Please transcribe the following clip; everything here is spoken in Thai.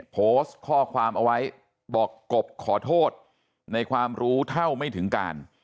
โพสต์ข้อความเอาไว้บอกกบขอโทษในความรู้เท่าไม่ถึงการ